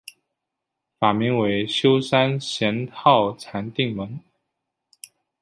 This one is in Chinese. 法名为休山贤好禅定门。